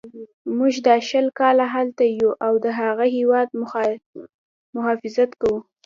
موږ دا شل کاله هلته یو او د هغه هیواد مخافظت کوو.